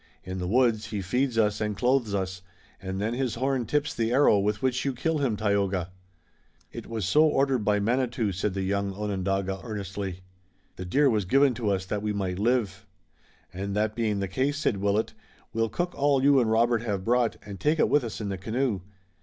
"In the woods he feeds us and clothes us, and then his horn tips the arrow with which you kill him, Tayoga." "It was so ordered by Manitou," said the young Onondaga, earnestly. "The deer was given to us that we might live." "And that being the case," said Willet, "we'll cook all you and Robert have brought and take it with us in the canoe.